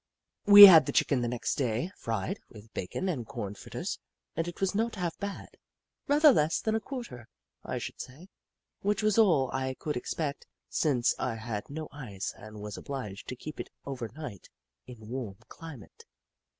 Jim Crow 131 We had the Chicken the next day, fried, with bacon and corn fritters, and it was not half bad — rather less than a quarter, I should say, which was all I could expect, since I had no ice and was obliged to keep it over night in a warm climate.